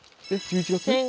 １１月？